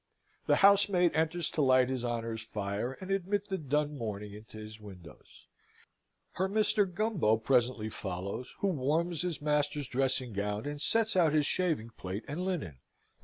The housemaid enters to light his honour's fire and admit the dun morning into his windows. Her Mr. Gumbo presently follows, who warms his master's dressing gown and sets out his shaving plate and linen.